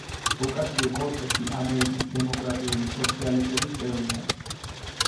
ოკასიო-კორტესი ამერიკის დემოკრატიული სოციალისტების წევრია.